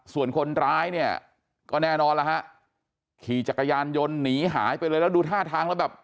ส่วนคนร้ายเนี่ยก็แน่นอนแล้วฮะขี่จักรยานยนต์หนีหายไปเลยแล้วดูท่าทางแล้วแบบ